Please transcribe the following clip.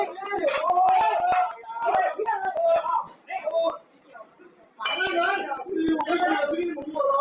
จังหวะตอนที่รถเข้ามาจอดยังไม่ทันสนิทดีเลยนะครับ